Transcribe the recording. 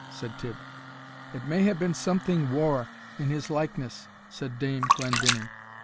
said Tibb. "It may hae been something waur, in his likeness," said Dame Glendinning.